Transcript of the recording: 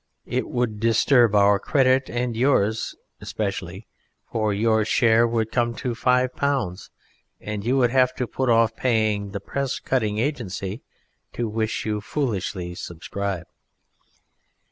It would disturb our credit, and yours especially, for your share would come to five pounds and you would have to put off paying the Press Cutting agency to which you foolishly subscribe.